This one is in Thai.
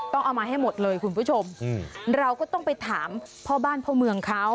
เอามาให้หมดเลยคุณผู้ชมเราก็ต้องไปถามพ่อบ้านพ่อเมืองเขา